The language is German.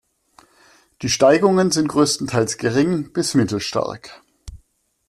Die Steigungen sind größtenteils gering bis mittelstark.